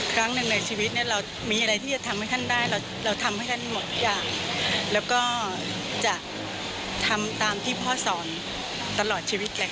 ครั้งหนึ่งในชีวิตเนี่ยเรามีอะไรที่จะทำให้ท่านได้เราทำให้ท่านหมดทุกอย่างแล้วก็จะทำตามที่พ่อสอนตลอดชีวิตเลยค่ะ